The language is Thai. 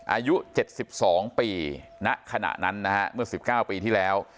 อายุเจ็ดสิบสองปีณขณะนั้นนะฮะเมื่อสิบเก้าปีที่แล้ว